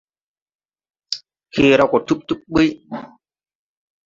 Kee ra go tub tub buy.